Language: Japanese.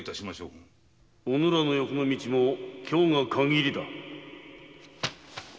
・うぬらの欲の道も今日がかぎりだ！